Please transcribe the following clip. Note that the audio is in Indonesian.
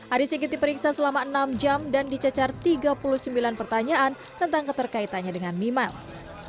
ari sigit diperiksa selama enam jam dan dicecar tiga puluh sembilan pertanyaan tentang keterkaitannya dengan memiles